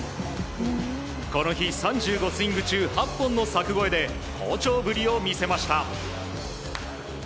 この日３５スイング中８本の柵越えで好調ぶりを見せました。